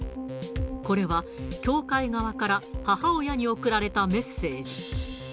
これは、教会側から母親に送られたメッセージ。